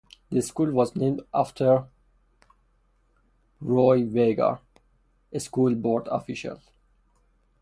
The school was named after Roy Wagar, a school board official.